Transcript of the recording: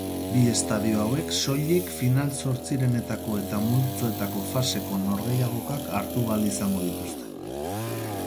Bi estadio hauek soilik final-zortzirenetako eta multzoetako faseko norgehiagokak hartu ahal izango dituzte.